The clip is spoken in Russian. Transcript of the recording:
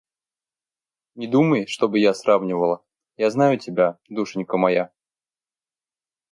Не думай, чтобы я сравнивала... Я знаю тебя, душенька моя.